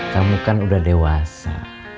kamu kan udah dewasa